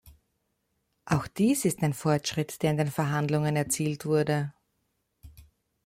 Auch dies ist ein Fortschritt, der in den Verhandlungen erzielt wurde.